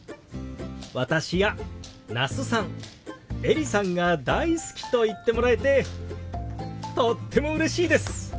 私や那須さんエリさんが大好きと言ってもらえてとってもうれしいです！